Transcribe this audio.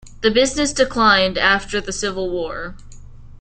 The business declined after the Civil War.